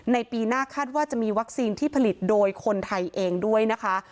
ปีหน้าคาดว่าจะมีวัคซีนที่ผลิตโดยคนไทยเองด้วยนะคะ